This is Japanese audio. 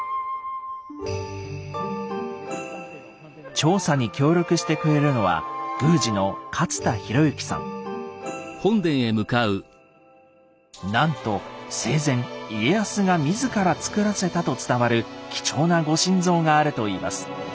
調査に協力してくれるのはなんと生前家康が自ら造らせたと伝わる貴重なご神像があるといいます。